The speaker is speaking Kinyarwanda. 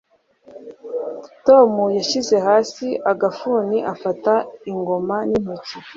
tom yashyize hasi agafuni afata ingoma n'intoki